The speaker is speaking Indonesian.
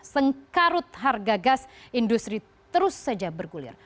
sengkarut harga gas industri terus saja bergulir